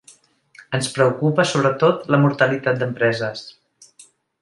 Ens preocupa sobretot la mortalitat d’empreses.